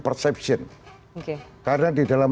perception karena di dalam